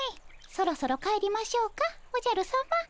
そろそろ帰りましょうかおじゃるさま。